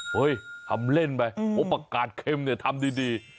เฮ้ยทำเล่นไปประกาศเข้มเนี่ยทำดี